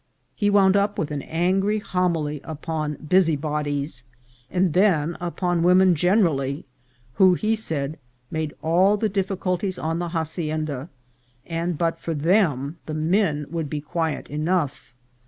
He wound up with an angry homily upon busy bodies, and then upon women generally, who, he said, made all the difficulties on the hacienda, and but for them the men would be quiet enough.